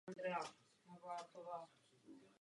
Dürer se však v Nizozemí nesetkal jen s úspěchem.